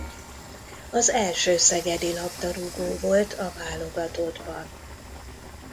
Az első szegedi labdarúgó volt a válogatottban.